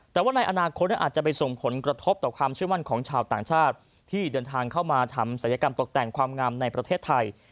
แต่ว่าในอนาคตอาจจะไปส่งผลกระทบต่อความเชื่อมั่นของชาวต่างชาติที่เดินทางเข้ามาทำศัลยกรรมตกแต่งความงามในประเทศไทย